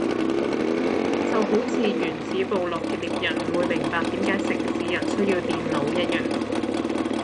就好似原始部落嘅獵人唔會明白點解城市人需要電腦一樣